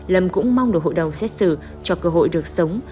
lâm cũng mong được hội đồng xét xử cho cơ hội được sống